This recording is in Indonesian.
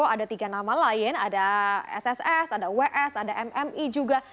ada tiga nama lain ada sss ada ws ada mmi juga